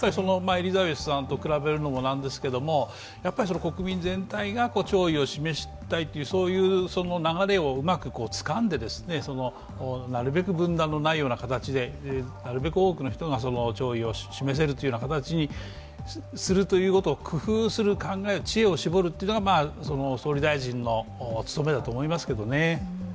エリザベスさんと比べるのも何ですけれども、国民全体が弔意を示したいという流れをうまくつかんで、なるべく分断のないような形でなるべく多くの人が弔意を示せるという形にするということを工夫する考え、知恵を絞るというのが総理大臣の務めだと思いますけれどもね。